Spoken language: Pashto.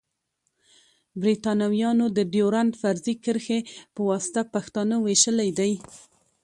بريتانويانو د ډيورنډ فرضي کرښي پواسطه پښتانه ويشلی دی.